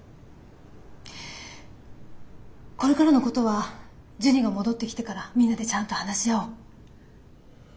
これからのことはジュニが戻ってきてからみんなでちゃんと話し合おう。